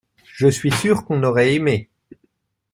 Je suis sûr qu’on aurait aimé.